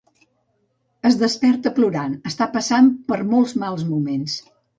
Es desperta plorant, està passant per molts mals moments.